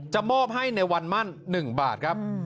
มอบให้ในวันมั่น๑บาทครับ